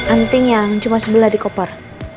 anting yang cuma sebelah di koper